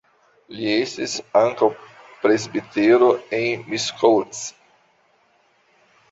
Li estis ankaŭ presbitero en Miskolc.